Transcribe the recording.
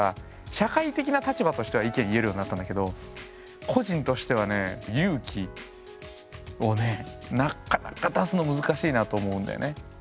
社会的な立場としては意見言えるようになったんだけど個人としてはね勇気をねなかなか出すの難しいなと思うんだよね。